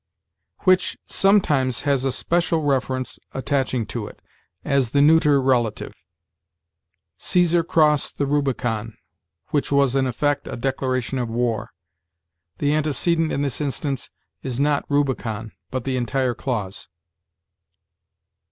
'" "Which sometimes has a special reference attaching to it, as the neuter relative: 'Cæsar crossed the Rubicon, which was in effect a declaration of war.' The antecedent in this instance is not Rubicon, but the entire clause.